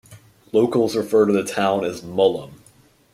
Locals refer to the town as "Mullum".